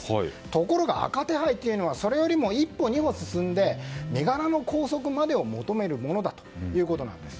ところが赤手配というのはそれよりも一歩、二歩進んで身柄の拘束までをも求めるものだということです。